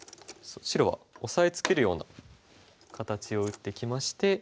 白はオサえつけるような形を打ってきまして。